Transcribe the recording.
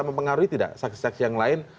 mempengaruhi tidak saksi saksi yang lain